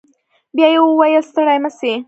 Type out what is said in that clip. بيا يې وويل ستړي مه سئ.